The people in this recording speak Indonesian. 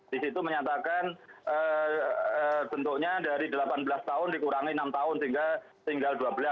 di situ menyatakan bentuknya dari delapan belas tahun dikurangi enam tahun sehingga tinggal dua belas